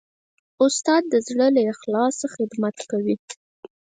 استاد د زړه له اخلاصه خدمت کوي.